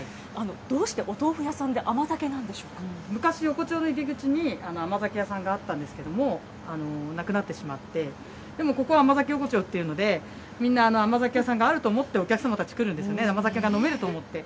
どうしてお豆腐屋さんで甘酒昔、横丁の入り口に甘酒屋さんがあったんですけれども、なくなってしまって、でもここは甘酒横丁というので、みんな甘酒屋さんがあると思って、お客様たち来るんですね、甘酒が飲めると思って。